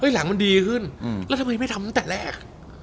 หลังมันดีขึ้นแล้วทำไมไม่ทำตั้งแต่แรก